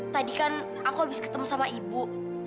tadi kan aku habis ketemu sama ibu